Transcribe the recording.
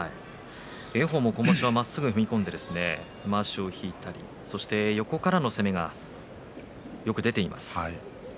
炎鵬も今場所はまっすぐ踏み込んでまわしを引いてそして、横からの攻めがよく出ています。